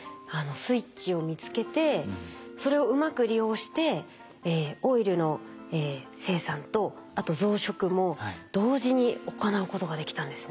スイッチを見つけてそれをうまく利用してオイルの生産とあと増殖も同時に行うことができたんですね。